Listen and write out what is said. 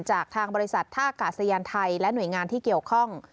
จากทางบริษัทท่ากาศยานไทยและหน่วยงานที่เกี่ยวข้อง